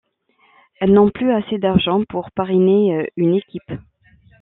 Elles n'ont plus assez d'argent pour parrainer une équipe.